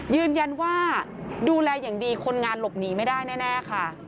ยืนยันว่าดูแลอย่างดีคนงานหลบหนีไม่ได้แน่ค่ะ